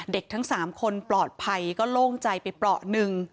ทั้ง๓คนปลอดภัยก็โล่งใจไปเปราะหนึ่ง